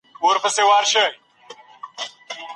موږ د غره په سر کې مخابره نه لرله.